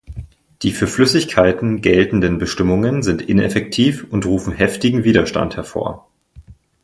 Die für Flüssigkeiten geltenden Bestimmungen sind ineffektiv und rufen heftigen Widerstand hervor.